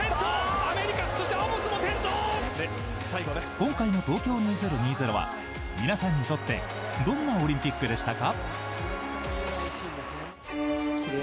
今回のＴＯＫＹＯ２０２０は皆さんにとってどんなオリンピックでしたか？